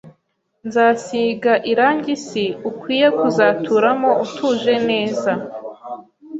Nzasiga irangi isi ukwiye kuzaturamo utuje neza